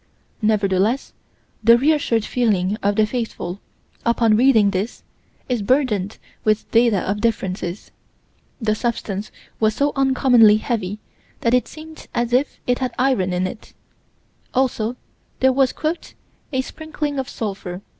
Nevertheless, the reassured feeling of the faithful, upon reading this, is burdened with data of differences: the substance was so uncommonly heavy that it seemed as if it had iron in it; also there was "a sprinkling of sulphur."